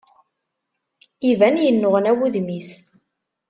Iban yenneɣna wudem-is.